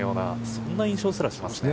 そんな印象すらしますね。